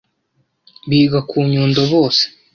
biga ku Nyundo bose